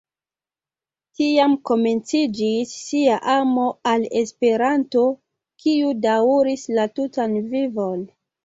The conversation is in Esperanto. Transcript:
Tiam komenciĝis ŝia amo al Esperanto, kiu daŭris la tutan vivon.